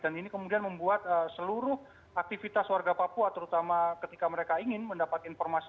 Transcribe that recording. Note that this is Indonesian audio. dan ini kemudian membuat seluruh aktivitas warga papua terutama ketika mereka ingin mendapat informasi